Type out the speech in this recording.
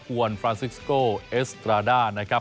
วนฟรานซิกสโกเอสตราด้านะครับ